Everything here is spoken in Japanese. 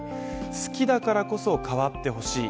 好きだからこそ、変わってほしい。